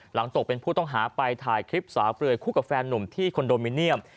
ตกเป็นผู้ต้องหาไปถ่ายคลิปสาวเปลือยคู่กับแฟนหนุ่มที่คอนโดมิเนียม